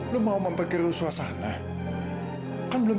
sebenarnya pas nyetah